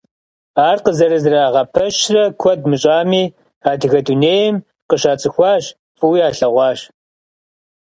Ар къызэрызэрагъэпэщрэ куэд мыщӏами, адыгэ дунейм къыщацӏыхуащ, фӏыуи ялъэгъуащ.